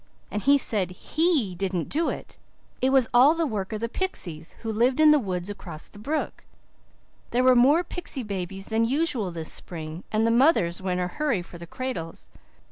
And he said HE didn't do it it was all the work of the pixies who lived in the woods across the brook. There were more pixy babies than usual this spring, and the mothers were in a hurry for the cradles.